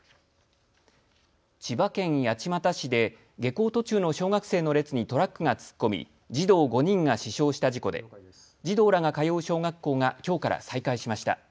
千葉県八街市で下校途中の小学生の列にトラックが突っ込み児童５人が死傷した事故で児童らが通う小学校がきょうから再開しました。